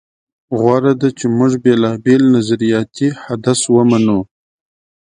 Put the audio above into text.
غوره ده چې موږ بېلابېل نظریاتي حدس ومنو.